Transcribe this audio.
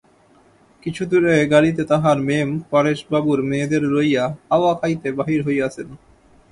কিছু দূরে গাড়িতে তাঁহার মেম পরেশবাবুর মেয়েদের লইয়া হাওয়া খাইতে বাহির হইয়াছেন।